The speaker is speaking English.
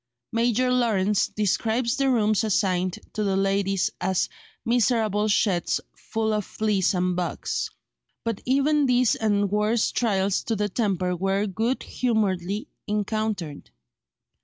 Major Lawrence describes the rooms assigned to the ladies as "miserable sheds full of fleas and bugs." But even these and worse trials to the temper were good humouredly encountered.